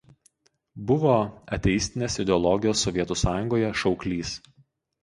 Buvo ateistinės ideologijos Sovietų Sąjungoje šauklys.